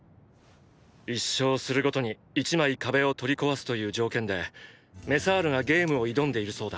１勝するごとに１枚壁を取り壊すという条件でメサールがゲームを挑んでいるそうだ。